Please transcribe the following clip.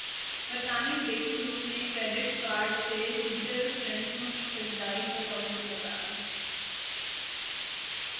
برطانوی banking group نے credit card سے ڈیجیٹل کرنسیوں کی خریداری پرپابندی لگادی